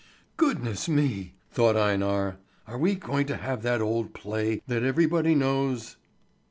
"Goodness me!" thought Einar. "Are we going to have that old play that everybody knows?"